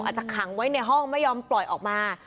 อาจจะขังไว้ในห้องไม่ยอมปล่อยออกมา